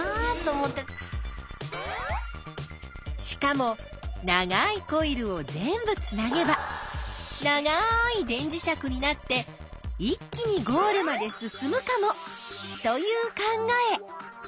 しかも長いコイルを全部つなげば長い電磁石になって一気にゴールまで進むかも！という考え！